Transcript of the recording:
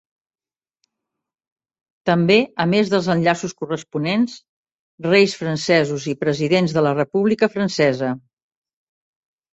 També, a més dels enllaços corresponents, reis francesos i president de la República Francesa.